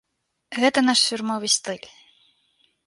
Гэта наш фірмовы стыль.